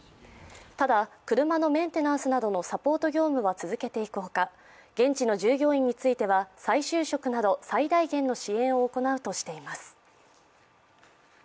ただ、車のメンテナンスなどのサポート業務は続けていくほか現地の従業員については再就職など最大限の支援を行うとしています。